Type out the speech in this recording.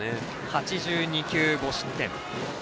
８２球、５失点。